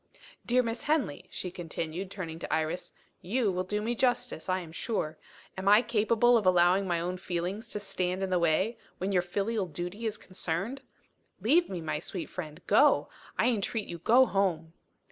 "Dear Miss Henley," she continued, turning to Iris, "you will do me justice, I am sure. Am I capable of allowing my own feelings to stand in the way, when your filial duty is concerned? Leave me, my sweet friend. Go! I entreat you, go home!"